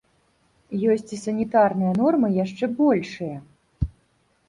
Ёсць і санітарныя нормы яшчэ большыя.